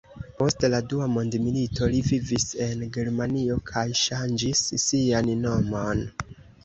Post la dua mondmilito li vivis en Germanio kaj ŝanĝis sian nomon.